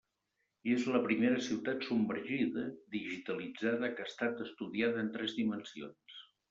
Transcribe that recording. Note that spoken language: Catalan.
És la primera ciutat submergida digitalitzada que ha estat estudiada en tres dimensions.